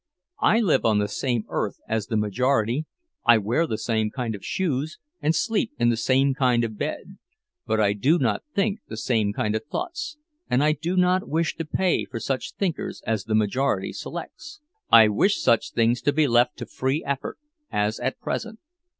I live on the same earth as the majority, I wear the same kind of shoes and sleep in the same kind of bed; but I do not think the same kind of thoughts, and I do not wish to pay for such thinkers as the majority selects. I wish such things to be left to free effort, as at present.